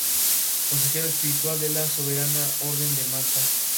Consejero espiritual de la Soberana Orden de Malta.